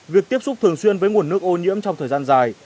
việc tiếp xúc thường xuyên với nguồn nước ô nhiễm trong thời gian dài